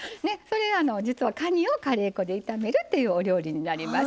実はかにをカレー粉で炒めるっていうお料理になります。